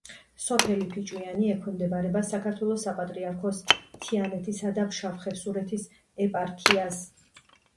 სოფელი ფიჭვიანი ექვემდებარება საქართველოს საპატრიარქოს თიანეთისა და ფშავ-ხევსურეთის ეპარქიას.